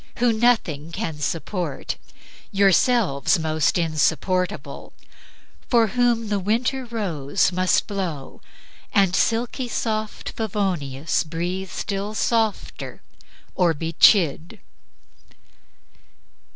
who nothing can support (Yourselves most insupportable) for whom The winter rose must blow, ...... and silky soft Favonius breathe still softer or be chid!"